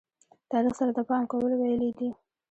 تاریخ سره د پام کولو ویلې دي.